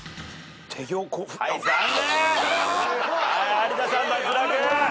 有田さん脱落！